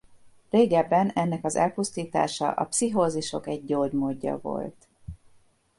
Régebben ennek az elpusztítása a pszichózisok egy gyógymódja volt.